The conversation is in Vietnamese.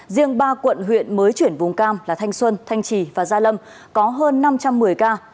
riêng ba quận huyện mới chuyển vùng cam là thanh xuân thanh trì và gia lâm có hơn năm trăm một mươi ca